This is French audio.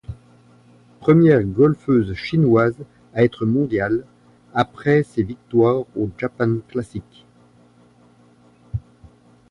Première golfeuse chinoise à être mondiale après ses victoires au Japan Classic.